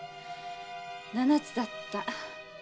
七つだった。